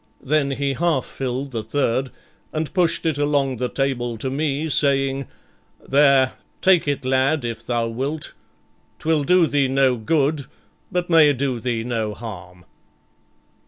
Then he half filled the third, and pushed it along the table to me, saying, 'There, take it, lad, if thou wilt; 'twill do thee no good, but may do thee no harm.'